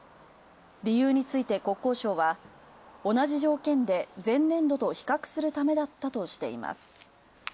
理由について国交省は、同じ条件で前年度と比較するためだったとしています。